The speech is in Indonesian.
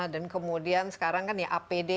dan kemudian sekarang kan ya apd